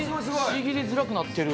ちぎりづらくなってる。